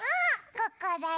ここだよ。